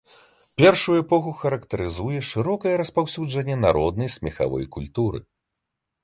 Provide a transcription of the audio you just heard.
Першую эпоху характарызуе шырокае распаўсюджанне народнай смехавой культуры.